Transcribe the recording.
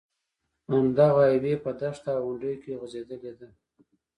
همدغه های وې په دښته او غونډیو کې غځېدلې ده.